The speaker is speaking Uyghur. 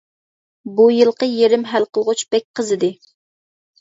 بۇ يىلقى يېرىم ھەل قىلغۇچ بەك قىزىدى.